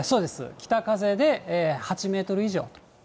北風で８メートル以上。